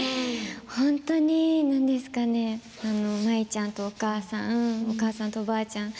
本当に、何ですかね舞ちゃんとお母さんお母さんとおばあちゃん